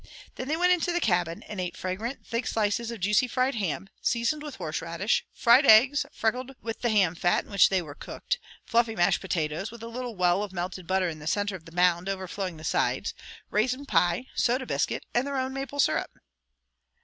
Then they went into the cabin and ate fragrant, thick slices of juicy fried ham, seasoned with horse radish; fried eggs, freckled with the ham fat in which they were cooked; fluffy mashed potatoes, with a little well of melted butter in the center of the mound overflowing the sides; raisin pie, soda biscuit, and their own maple syrup.